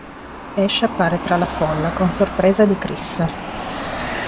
Ash appare tra la folla con sorpresa di Chris.